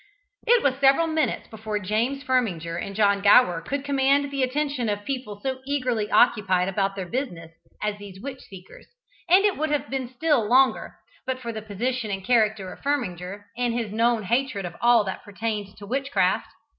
It was several minutes before James Firminger and John Gower could command the attention of people so eagerly occupied about their business as these witch seekers, and it would have been still longer, but for the position and character of Firminger, and his known hatred of all that pertained to witchcraft.